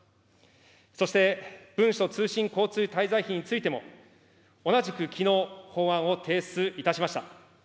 そして文書通信交通滞在費についても、同じくきのう、法案を提出いたしました。